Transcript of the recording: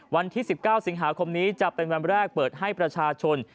วันที่๑๙สิงหาคมนี้จะเป็นวันแรกเปิดให้ประชาชน